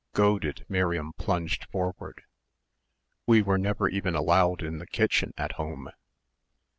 Goaded, Miriam plunged forward. "We were never even allowed in the kitchen at home."